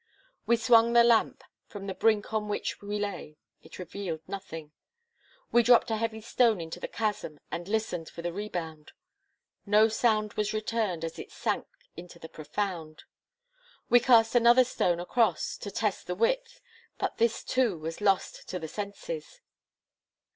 We swung the lamp from the brink on which we lay; it revealed nothing. We dropped a heavy stone into the chasm and listened for the rebound. No sound was returned as it sank into the profound. We cast another stone across to test the width, but this, too, was lost to the senses.